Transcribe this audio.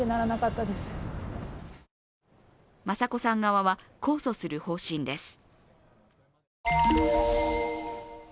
雅子さん側は控訴する方針です。